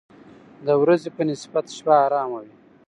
د ورځې په نسبت شپه آرامه وي.